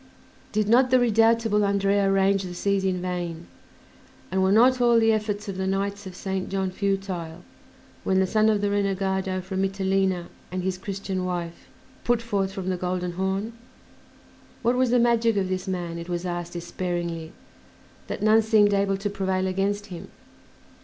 Did not the redoubtable Andrea range the seas in vain, and were not all the efforts of the Knights of Saint John futile, when the son of the renegado from Mitylene and his Christian wife put forth from the Golden Horn? What was the magic of this man, it was asked despairingly, that none seemed able to prevail against him?